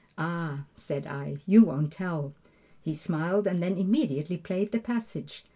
"Ah," said I, "you won't tell." He smiled and then immediately played the passage.